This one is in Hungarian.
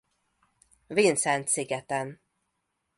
Vincent szigeten.